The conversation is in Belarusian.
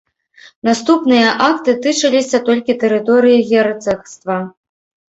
Наступныя акты тычыліся толькі тэрыторыі герцагства.